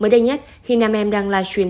mới đây nhất khi nam em đang live stream